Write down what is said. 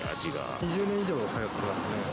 ２０年以上、通ってますね。